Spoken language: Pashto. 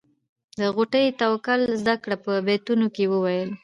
د غوټۍ توکل زده کړه په بیتونو کې وویل.